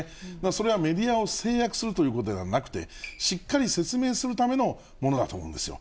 それはメディアを制約するということではなくて、しっかり説明するためのものだと思うんですよ。